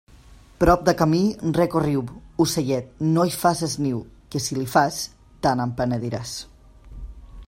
Prop de camí, rec o riu, ocellet, no hi faces niu, que si l'hi fas, te'n penediràs.